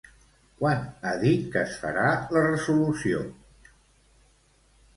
Quan ha dit que es farà la resolució?